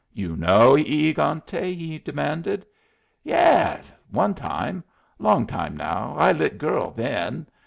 "You know E egante?" he demanded. "Yas, one time. Long time now. I litt' girl then."